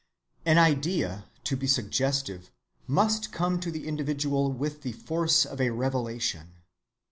(55) An idea, to be suggestive, must come to the individual with the force of a revelation.